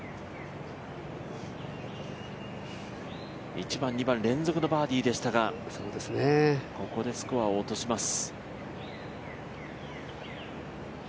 １番、２番、連続のバーディーでしたが、ここでスコアを落とします。